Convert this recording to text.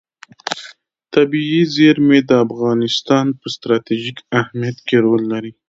طبیعي زیرمې د افغانستان په ستراتیژیک اهمیت کې رول لري.